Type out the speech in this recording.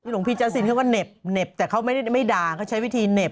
หลวงพี่จ๊ซินเขาก็เหน็บแต่เขาไม่ด่าเขาใช้วิธีเหน็บ